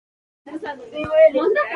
فیصل د خپلې غوسې له امله کوټه پرېښوده.